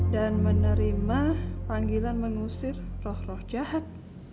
dan menerima panggilan mengusir roh roh jahat